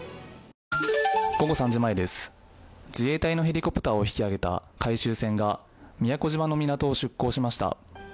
午後３時前です、自衛隊のヘリコプターを引き揚げた回収船が宮古島の港を出港しました。